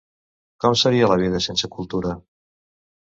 Com seria la vida sense cultura?